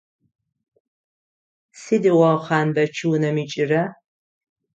Сыдигъо Хъанбэч унэм икӏыра?